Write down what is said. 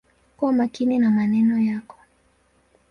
Kuwa makini na maneno yako.